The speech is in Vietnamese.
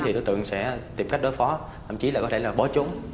thì đối tượng sẽ tìm cách đối phó thậm chí là có thể là bỏ trốn